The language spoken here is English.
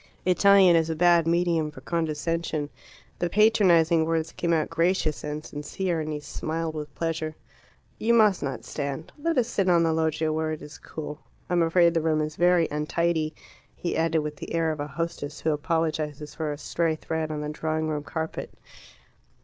Italian is a bad medium for condescension. The patronizing words came out gracious and sincere, and he smiled with pleasure. "You must not stand. Let us sit on the loggia, where it is cool. I am afraid the room is very untidy," he added, with the air of a hostess who apologizes for a stray thread on the drawing room carpet.